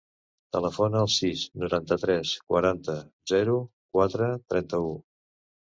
Telefona al sis, noranta-tres, quaranta, zero, quatre, trenta-u.